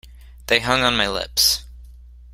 They hung on my lips.